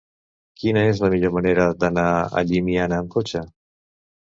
Quina és la millor manera d'anar a Llimiana amb cotxe?